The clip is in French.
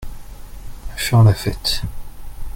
Faire la fête.